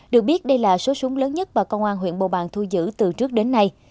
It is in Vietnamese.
được biết đây là số súng lớn nhất mà công an huyện bầu bàng thu giữ từ trước đến nay